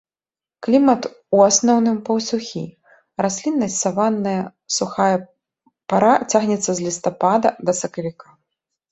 Клімат у асноўным паўсухі, расліннасць саванная, сухая пара цягнецца з лістапада да сакавіка.